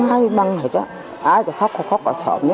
ai cũng khóc